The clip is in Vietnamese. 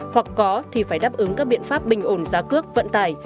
hoặc có thì phải đáp ứng các biện pháp bình ổn giá cước vận tải